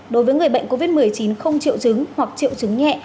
đối với người bệnh covid một mươi chín không triệu chứng hoặc triệu chứng nhẹ